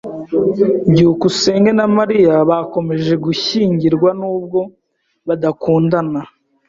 byukusenge na Mariya bakomeje gushyingirwa nubwo badakundana.